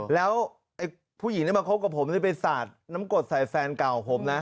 แล้วผู้หญิงที่มาคบกับผมนี่ไปสาดน้ำกดใส่แฟนเก่าผมนะ